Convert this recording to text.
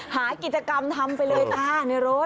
หากิจกรรมทำไปเลยจ้าในรถ